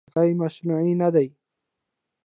خټکی مصنوعي نه ده.